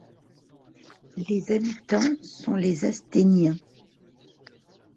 Les habitants sont les Asténiens.